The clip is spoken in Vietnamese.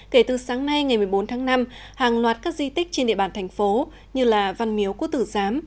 kể từ sáng nay ngày một mươi bốn tháng năm hàng loạt các di tích trên địa bàn thành phố như là văn miếu cú tử giám